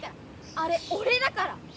あれおれだから。